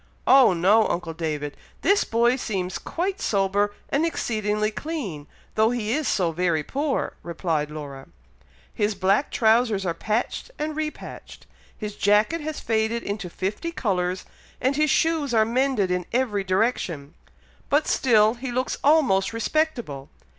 "Oh no! uncle David! this boy seems quite sober and exceedingly clean, though he is so very poor!" replied Laura; "his black trowsers are patched and repatched, his jacket has faded into fifty colours, and his shoes are mended in every direction, but still he looks almost respectable.